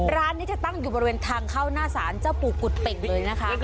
ร้านนี้จะตั้งอยู่บริเวณทางเข้าหน้าศาลเจ้าปู่กุฎเป่งเลยนะคะ